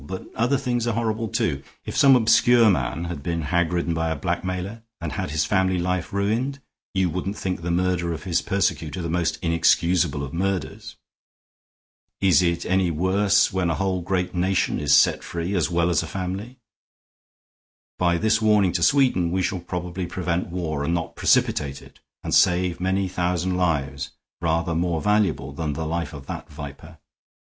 But other things are horrible, too. If some obscure man had been hag ridden by a blackmailer and had his family life ruined, you wouldn't think the murder of his persecutor the most inexcusable of murders. Is it any worse when a whole great nation is set free as well as a family? By this warning to Sweden we shall probably prevent war and not precipitate it, and save many thousand lives rather more valuable than the life of that viper.